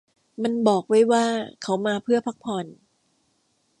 มันบอกไว้ว่าเขามาเพื่อพักผ่อน